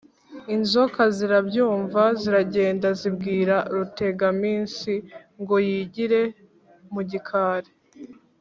inzoka zirabyumva, ziragenda zibwira rutegaminsi ngo yigire mu gikari